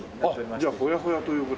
じゃあほやほやという事で。